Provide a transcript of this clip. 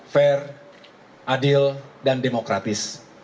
fair adil dan demokratis